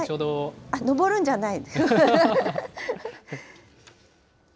上るんじゃない。